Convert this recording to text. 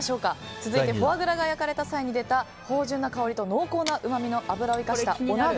続いてフォアグラが焼かれた際に出た芳醇な香りと濃厚なうまみの脂を生かしたお鍋。